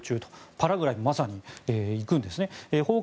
パラグアイにまさに行くんですね。